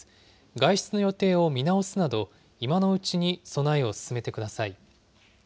外出の予定を見直すなど、今のうちに備えを進めてください。